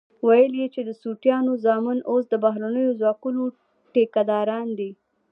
ويل يې چې د سوټيانو زامن اوس د بهرنيو ځواکونو ټيکه داران دي.